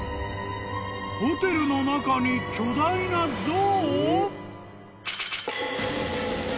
［ホテルの中に巨大な象！？］